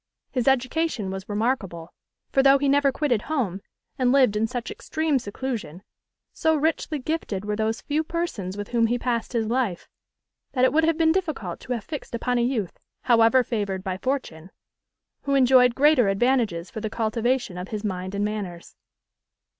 His education was remarkable; for though he never quitted home, and lived in such extreme seclusion, so richly gifted were those few persons with whom he passed his life, that it would have been difficult to have fixed upon a youth, however favoured by fortune, who enjoyed greater advantages for the cultivation of his mind and manners.